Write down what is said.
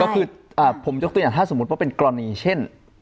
ก็คือผมยกตัวอย่างถ้าสมมุติว่าเป็นกรณีเช่น